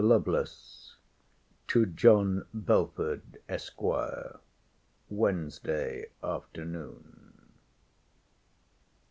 LOVELACE, TO JOHN BELFORD, ESQ. WEDNESDAY AFTERNOON.